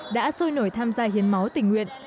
đã sôi nổi tham gia hiến máu tình nguyện